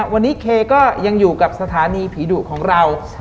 วันนี้เคก็ยังอยู่กับสถานีผีดุของเรา